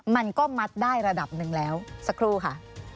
มันก็มัดได้ระดับหนึ่งแล้วสักครู่ค่ะ